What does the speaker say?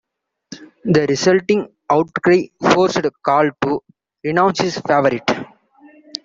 The resulting outcry forced Karl to renounce his favorite.